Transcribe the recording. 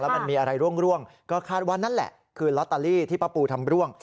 มันมีอะไรร่วงก็คาดว่านั่นแหละคือลอตเตอรี่ที่ป้าปูทำร่วง